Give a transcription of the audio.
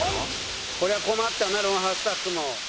これは困ったな『ロンハー』スタッフも。